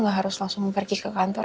nggak harus langsung pergi ke kantor